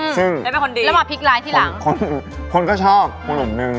เป็นคนดีแล้วมาพลิกร้ายทีหลังซึ่งคนก็ชอบขนมหนึ่ง